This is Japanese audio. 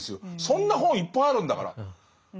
そんな本いっぱいあるんだから。